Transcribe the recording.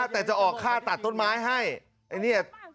แต่จะออกค่าตัดต้นไม้ให้